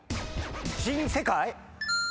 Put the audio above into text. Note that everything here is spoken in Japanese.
新世界？